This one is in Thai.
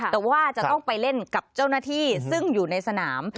แต่ว่าจะต้องไปเล่นกับเจ้าหน้าที่ซึ่งอยู่ในสนาม